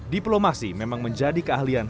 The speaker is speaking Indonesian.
diplomasi memang menjadi keahlianya